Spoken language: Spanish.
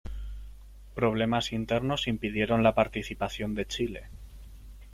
Problemas internos impidieron la participación de Chile.